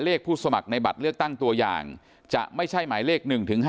ผู้สมัครในบัตรเลือกตั้งตัวอย่างจะไม่ใช่หมายเลข๑๕